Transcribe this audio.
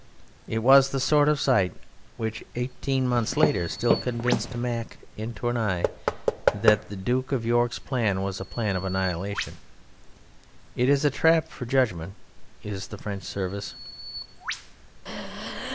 It was the sort of sight which eighteen months later still convinced Mack in Tournai that the Duke of York's plan was a plan "of annihilation." It is a trap for judgment is the French service.